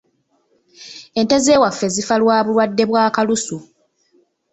Ente z’ewaffe zifa lwa bulwadde bwa Kalusu.